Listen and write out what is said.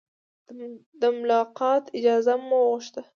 د ملاقات اجازه مو وغوښته.